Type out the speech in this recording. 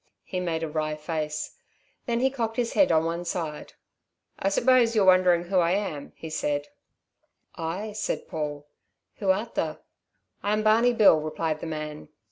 He made a wry face. Then he cocked his head on one side. "I suppose you're wondering who I am?" said he. "Ay," said Paul. "Who art tha?" "I'm Barney Bill," replied the man.